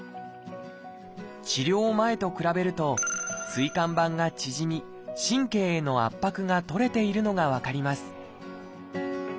治療前と比べると椎間板が縮み神経への圧迫が取れているのが分かります